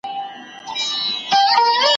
د خُم له زخمي زړه مو د مُغان ویني څڅېږي `